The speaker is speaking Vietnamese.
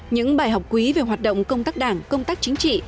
những bài học quý về hoạt động công tác đảng công tác chính trị